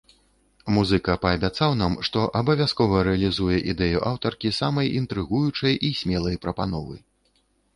Музыка паабяцаў нам, што абавязкова рэалізуе ідэю аўтаркі самай інтрыгуючай і смелай прапановы.